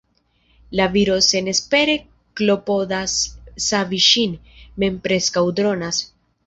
La viro senespere klopodas savi ŝin, mem preskaŭ dronas.